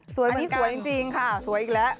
เมื่อกี้สวยจริงค่ะสวยอีกแล้ว